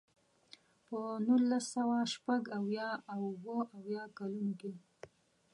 په نولس سوه شپږ اویا او اوه اویا کلونو کې.